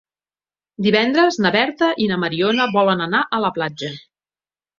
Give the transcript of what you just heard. Divendres na Berta i na Mariona volen anar a la platja.